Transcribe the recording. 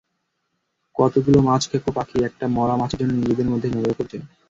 কতগুলো মাছ খেকো পাখি একটা মরা মাছের জন্য নিজেদের মধ্যে ঝগড়া করছে।